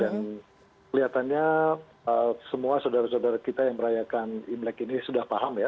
dan kelihatannya eee semua saudara saudara kita yang merayakan imlek ini sudah paham ya